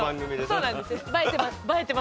そうなんですよ。